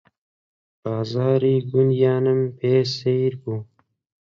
بازاڕی گوندیانم پێ سەیر بوو